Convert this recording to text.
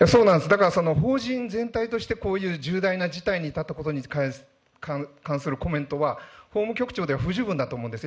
だから、法人全体としてこういう重大な事態に至ったことに関するコメントは、法務局長では不十分だと思うんです。